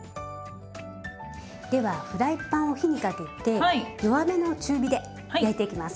ではフライパンを火にかけて弱めの中火で焼いていきます。